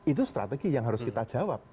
itu strategi yang harus kita jawab